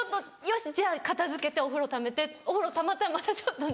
よしじゃあ片付けてお風呂ためてお風呂たまったらまたちょっと。